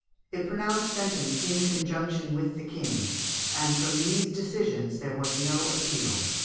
It pronounced sentence in conjunction with the King, and from these decisions there was no appeal.